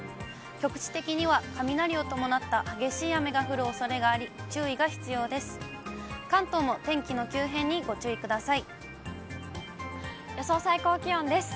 局地的には雷を伴った激しい雨が降るおそれがあり、注意が必要です。